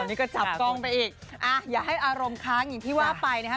นี่ก็จับกล้องไปอีกอ่ะอย่าให้อารมณ์ค้างอย่างที่ว่าไปนะครับ